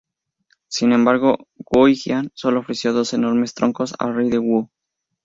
Sin embargo, Gou Jian sólo ofreció dos enormes troncos al rey de Wu.